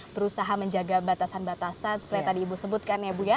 berusaha menjaga batasan batasan seperti tadi ibu sebutkan ya bu ya